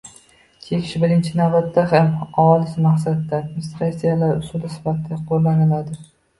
Chekish birinchi navbatda dam olish maqsadida administratsiyalash usuli sifatida qo'llaniladi.